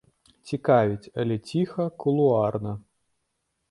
Цікавіць, але ціха, кулуарна.